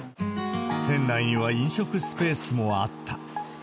店内には飲食スペースもあった。